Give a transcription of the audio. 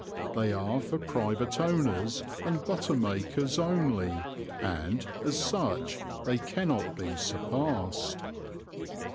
They are for private owners and butter makers only, and, as such, they cannot be surpassed.